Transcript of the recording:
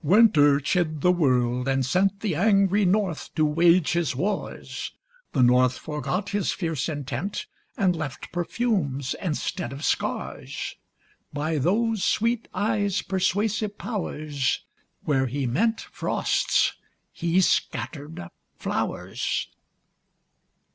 Winter chid the world, and sent The angry North to wage his wars: The North forgot his fierce intent, And left perfumes, instead of scars: By those sweet eyes' persuasive powers, Where he meant frosts, he scattered flowers.